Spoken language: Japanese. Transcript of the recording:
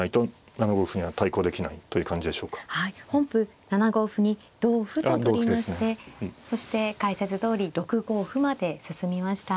本譜７五歩に同歩と取りましてそして解説どおり６五歩まで進みました。